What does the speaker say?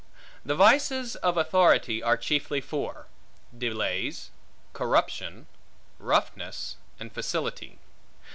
The vices of authority are chiefly four: delays, corruption, roughness, and facility.